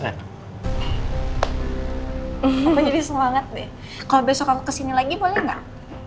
papa jadi semangat deh kalo besok aku kesini lagi boleh gak